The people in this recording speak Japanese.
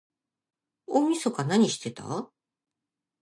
大晦日なにしてた？